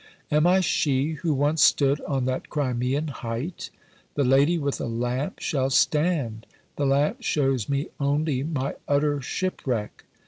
"Am I she who once stood on that Crimean height? 'The Lady with a Lamp shall stand.' The lamp shows me only my utter shipwreck."